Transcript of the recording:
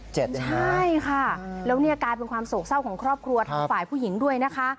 ใช่ค่ะแล้วเนี่ยกลายเป็นความโศกเศร้าของครอบครัวทางฝ่ายผู้หญิงด้วยนะคะ